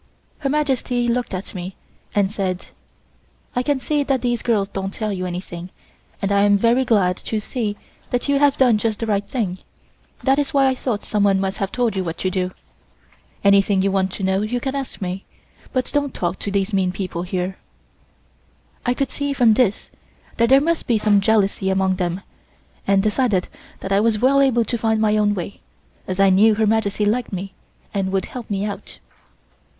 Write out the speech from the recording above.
Her Majesty looked at me and said: "I can see that these girls don't tell you anything and I am very glad to see that you have done just the right thing. That is why I thought someone must have told you what to do. Anything you want to know you can ask me, but don't talk to these mean people here." I could see from this that there must be some jealousy among them and decided that I was well able to find my own way, as I knew Her Majesty liked me and would help me out.